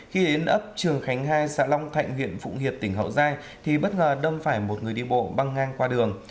khi đến ấp trường khánh hai xã long thạnh huyện phụng hiệp tỉnh hậu giang thì bất ngờ đâm phải một người đi bộ băng ngang qua đường